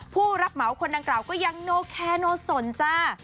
ผู้รับเหมาคนดังกล่าวก็ยังโนแคโนสนจ้า